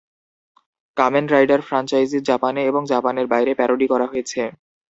Come in Rider franchise জাপানে এবং জাপানের বাইরে প্যারোডি করা হয়েছে।